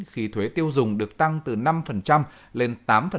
khi thuế tiêu dùng được tăng từ năm lên tám